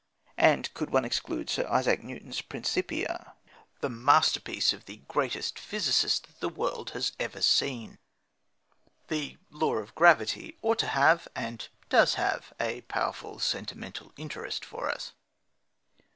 And could one exclude Sir Isaac Newton's Principia, the masterpiece of the greatest physicist that the world has ever seen? The law of gravity ought to have, and does have, a powerful sentimental interest for us.